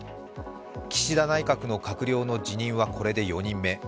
岸田内閣の閣僚の辞任は、これで４人目。